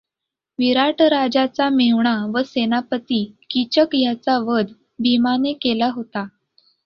विराट राजाचा मेहुणा व सेनापती कीचक याचा वध भिमाने केला होता.